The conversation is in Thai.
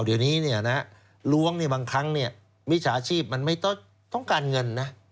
เดี๋ยวนี้ล้วงบางครั้งมิจฉาชีพมันไม่ต้องการเงินนะ